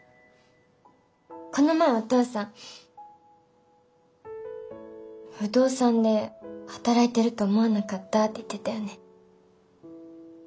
この前お父さん「不動産で働いていると思わなかった」って言ってたよね。